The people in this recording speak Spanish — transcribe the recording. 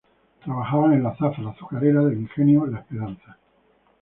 Trabajaban en la zafra azucarera del ingenio La Esperanza.